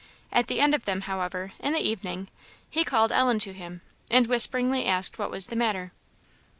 At the end of them, however, in the evening, he called Ellen to him, and whisperingly asked what was the matter.